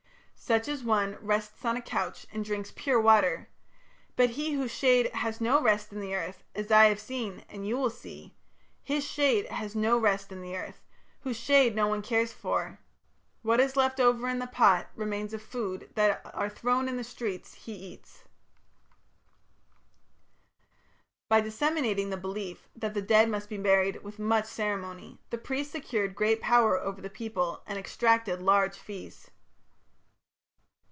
Such a one rests on a couch and drinks pure water; But he whose shade has no rest in the earth, as I have seen and you will see, His shade has no rest in the earth Whose shade no one cares for ... What is left over in the pot, remains of food That are thrown in the street, he eats." Gilgamesh Epic. By disseminating the belief that the dead must be buried with much ceremony, the priests secured great power over the people, and extracted large fees.